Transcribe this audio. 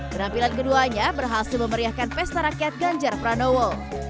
penampilan keduanya berhasil memeriahkan pesta rakyat ganjar pranowo